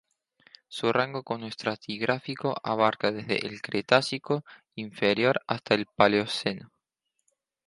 Su rango cronoestratigráfico abarca desde el Cretácico inferior hasta el Paleoceno.